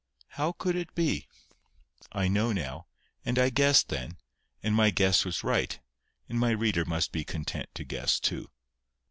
—How could it be? I know now; and I guessed then; and my guess was right; and my reader must be content to guess too.